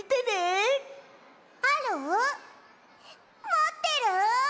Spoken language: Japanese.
もってる？